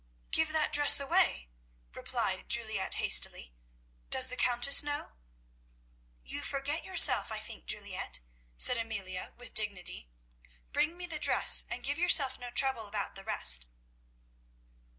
"Give that dress away!" replied Juliette hastily. "Does the Countess know?" "You forget yourself, I think, Juliette," said Amelia with dignity. "Bring me the dress, and give yourself no trouble about the rest."